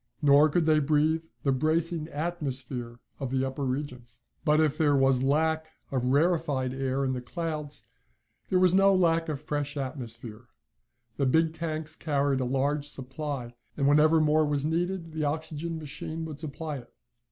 Nor could they breathe the bracing atmosphere of the upper regions. But if there was lack of the rarefied air of the clouds, there was no lack of fresh atmosphere. The big tanks carried a large supply, and whenever more was needed the oxygen machine would supply it.